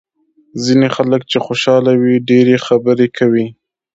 ځینې خلک چې خوشاله وي ډېرې خبرې کوي.